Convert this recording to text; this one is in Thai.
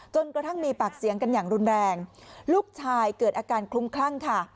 กระทั่งมีปากเสียงกันอย่างรุนแรงลูกชายเกิดอาการคลุ้มคลั่งค่ะ